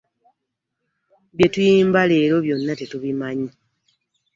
Bye tuyimba leero byonna tetubimanyi.